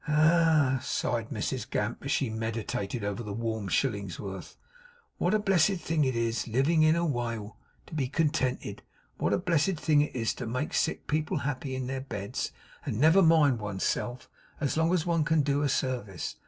'Ah!' sighed Mrs Gamp, as she meditated over the warm shilling's worth, 'what a blessed thing it is living in a wale to be contented! What a blessed thing it is to make sick people happy in their beds, and never mind one's self as long as one can do a service!